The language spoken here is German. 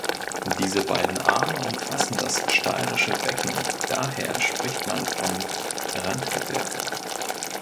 Diese beiden Arme umfassen das Steirische Becken, daher spricht man von „Randgebirge“.